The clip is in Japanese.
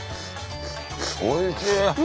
おいしい！